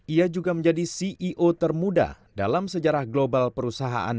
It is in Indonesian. ia juga menjadi ceo termuda dalam sejarah global perusahaan